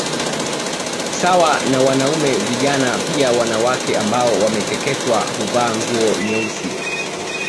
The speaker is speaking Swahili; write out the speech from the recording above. Sawa na wanaume vijana pia wanawake ambao wamekeketewa huvaa nguo nyeusi